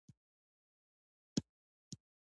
چین د نړۍ تر ټولو ډېر نفوس اقتصاد لري.